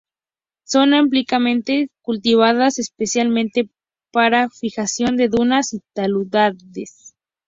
Son ampliamente cultivadas, especialmente para fijación de dunas y taludes.